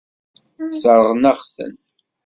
Sseṛɣen-aɣ-ten.